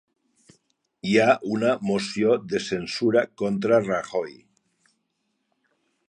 Hi ha una moció de censura contra Rajoy